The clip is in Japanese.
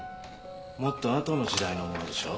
もっとあとの時代のものでしょ？